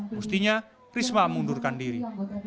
mustinya risma mengundurkan diri